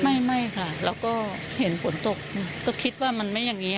ไม่ไม่ค่ะแล้วก็เห็นฝนตกก็คิดว่ามันไม่อย่างนี้